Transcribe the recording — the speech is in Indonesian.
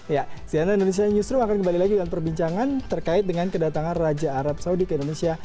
ya siana indonesia newsroom akan kembali lagi dengan perbincangan terkait dengan kedatangan raja arab saudi ke indonesia